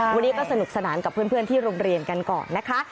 วันนี้ก็สนุกสนานกับเพื่อนที่โรงเรียนกันก่อนนะคะ